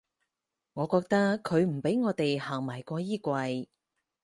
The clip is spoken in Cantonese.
我覺得佢唔畀我地行埋個衣櫃